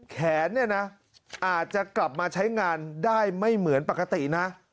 แขนเนี่ยนะอาจจะกลับมาใช้งานได้ไม่เหมือนปกตินะ